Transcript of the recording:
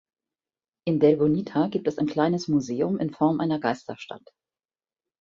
In Del Bonita gibt es ein kleines Museum in Form einer Geisterstadt.